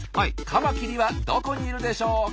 カマキリはどこにいるでしょうか？